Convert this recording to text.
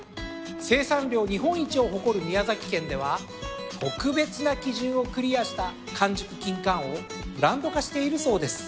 生産量日本一を誇る宮崎県では特別な基準をクリアした完熟きんかんをブランド化しているそうです。